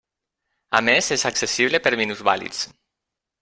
A més és accessible per minusvàlids.